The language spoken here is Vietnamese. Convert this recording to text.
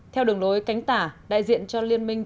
theo đường lối cánh tả đại diện cho liên minh